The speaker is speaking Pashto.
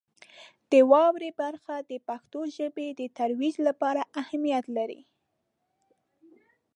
د واورئ برخه د پښتو ژبې د ترویج لپاره اهمیت لري.